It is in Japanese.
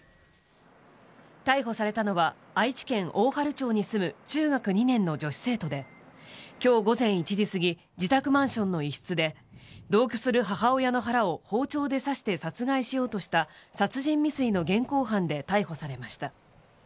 逮捕されたのは愛知県大治町に住む中学２年の女子生徒で今日午前１時すぎ自宅マンションの一室で同居する母親の腹を包丁で刺して殺害しようとした殺人未遂の現行犯で逮捕されました。